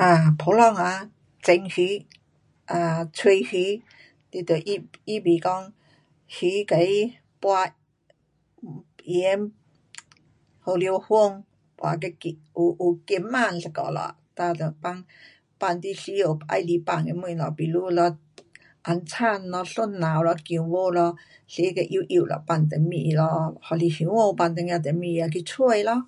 啊，普通啊，蒸鱼，啊，吹鱼，你得预，预备讲鱼给它抹盐，胡椒粉，抹到咸，有有咸香一下了，哒就放你需要喜欢放的东西，比如咯红葱咯，蒜头咯，姜母咯，切到幼幼咯放上面咯。还是香菇放一点上面了去吹咯。